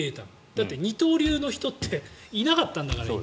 だって二刀流の人っていなかったんだから。